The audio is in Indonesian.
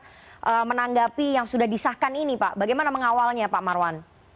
fraksi partai demokrat menanggapi yang sudah disahkan ini pak bagaimana mengawalnya pak marwan